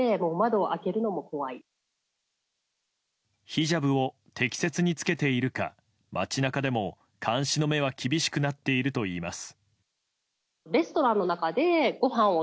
ヒジャブを適切に着けているか街中でも監視の目は厳しくなっているといいます。